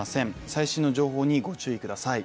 最新の情報にご注意ください。